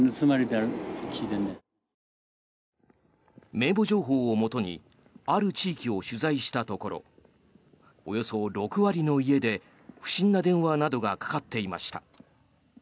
名簿情報をもとにある地域を取材したところおよそ６割の家で不審な電話などがかかっていました。